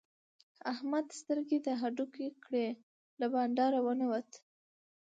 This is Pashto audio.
احمد سترګې د هډوکې کړې؛ له بانډاره و نه وت.